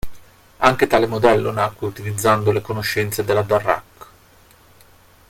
Anche tale modello nacque utilizzando le conoscenze della Darracq.